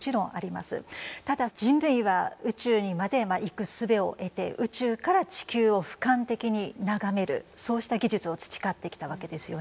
ただ人類は宇宙にまで行くすべを得て宇宙から地球をふかん的に眺めるそうした技術を培ってきたわけですよね。